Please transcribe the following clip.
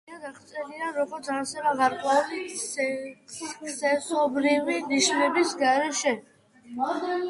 ხშირად აღწერილია, როგორც არსება გარკვეული სქესობრივი ნიშნების გარეშე.